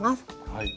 はい。